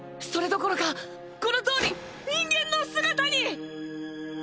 それどころかこのとおり人間の姿に！